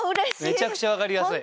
めちゃくちゃ分かりやすい。